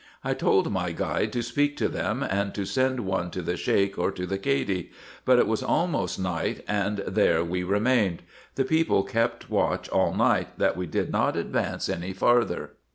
I told my guide to speak to them, and to send one to the Sheik or to the Cady ; but it was almost night, and there we remained. The people kept watch all night that we did not advance any farther.